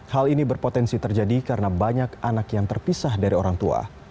hal ini berpotensi terjadi karena banyak anak yang terpisah dari orang tua